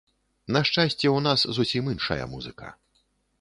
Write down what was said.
На шчасце, у нас зусім іншая музыка.